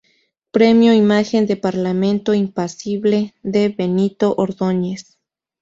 Premio Imagen del Parlamento: "Impasible" de Benito Ordoñez.